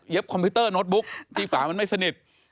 คอมพิวเตอร์โน้ตบุ๊กที่ฝามันไม่สนิท